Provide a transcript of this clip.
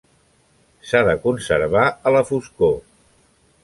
S'ha de conservar a la foscor.